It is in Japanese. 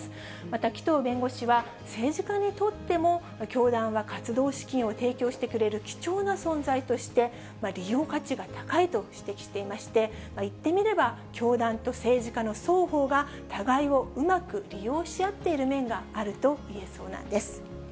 また紀藤弁護士は、政治家にとっても教団は活動資金を提供してくれる貴重な存在として、利用価値が高いと指摘していまして、言ってみれば、教団と政治家の双方が、互いをうまく利用し合っている面があるといえそうなんです。